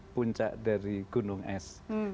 puncak dari gunung es